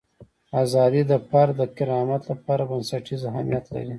ازادي د فرد د کرامت لپاره بنسټیز اهمیت لري.